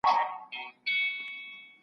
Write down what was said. ترهګرۍ پر وړاندي نړیواله مبارزه روانه وه.